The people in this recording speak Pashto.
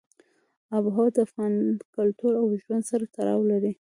آب وهوا د افغان کلتور او ژوند سره تړاو لري.